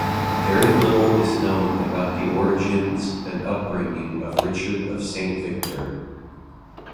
Very little is known about the origins and upbringing of Richard of Saint Victor.